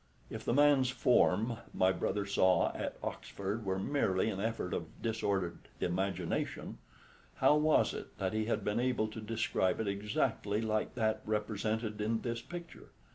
If the man's form my brother saw at Oxford were merely an effort of disordered imagination, how was it that he had been able to describe it exactly like that represented in this picture?